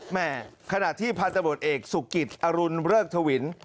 แหมขนาดที่พันธุ์ตำรวจเอกสุกิจอรุณเริ่กถวิน